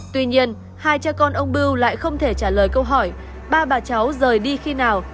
tuy nhiên hai cha con ông bưu lại không thể trả lời câu hỏi ba bà cháu rời đi khi nào